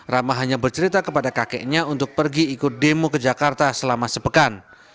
rama hanya bercerita kepada kakeknya untuk pergi ikut demo ke jakarta selama sepekan